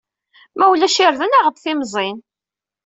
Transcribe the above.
Ma ulac irden, aɣ-d timẓin.